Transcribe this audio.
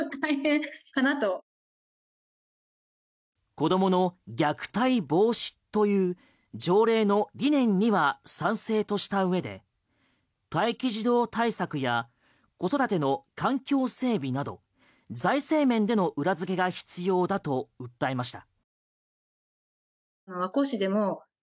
子供の虐待防止という条例の理念には賛成としたうえで待機児童対策や子育ての環境整備など財政面での裏付けが必要だと訴えました。